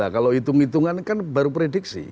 kalau hitung hitungan kan baru prediksi